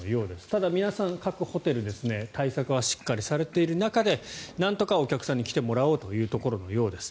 ただ、皆さん各ホテル対策はしっかりされている中でなんとかお客さんに来てもらおうというところのようです。